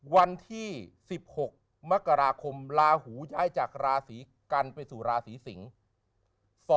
วันที่๑๖มกราคมลาหูย้ายจากราศีกันไปสู่ราศีสิงศ์